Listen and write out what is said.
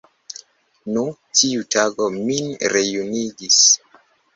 Nu, tiu tago min rejunigis.